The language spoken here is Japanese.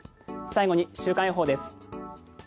最後に週間予報です。